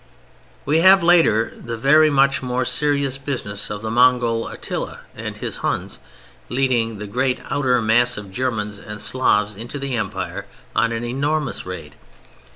We have, later, the very much more serious business of the Mongol Attila and his Huns, leading the great outer mass of Germans and Slavs into the Empire on an enormous raid.